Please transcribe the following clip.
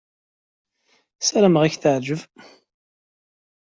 Ssarameɣ ad k-teɛjeb.